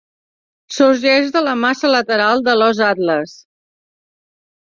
Sorgeix de la massa lateral de l'os atles.